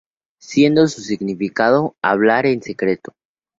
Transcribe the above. Siendo su significado hablar en secreto.